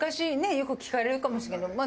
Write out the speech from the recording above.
よく聞かれるかもしれないけどまあ